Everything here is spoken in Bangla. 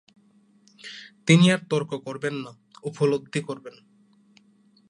তিনি আর তর্ক করেন না, উপলব্ধি করেন।